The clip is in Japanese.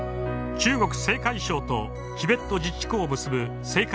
中国・青海省とチベット自治区を結ぶ青海